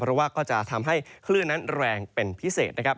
เพราะว่าก็จะทำให้คลื่นนั้นแรงเป็นพิเศษนะครับ